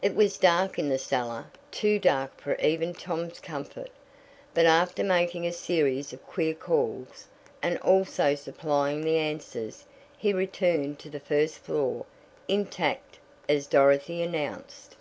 It was dark in the cellar too dark for even Tom's comfort, but after making a series of queer calls, and also supplying the answers, he returned to the first floor, "intact," as Dorothy announced.